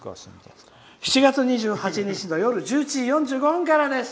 ７月２８日２３時４５分からです。